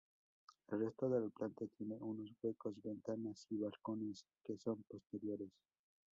El resto de la planta tiene unos huecos, ventanas y balcones, que son posteriores.